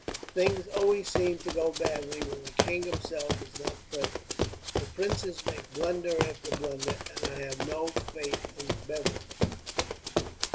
Things always seem to go badly, when the king himself is not present. The princes make blunder after blunder, and I have no faith in Bevern."